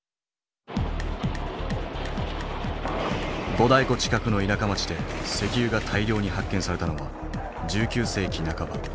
五大湖近くの田舎町で石油が大量に発見されたのは１９世紀半ば。